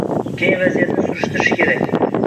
keyin vaziyatni surishtirish kerak.